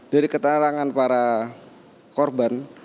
dari keterangan para korban